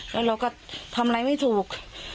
แล้วเราก็ทำอะไรไม่ถูก